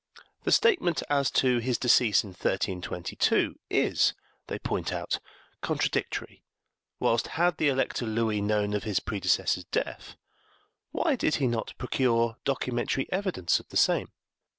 The statement as to his decease in 1322 is, they point out, contradictory, whilst had the Elector Louis known of his predecessor's death, why did he not procure documentary evidence of the same?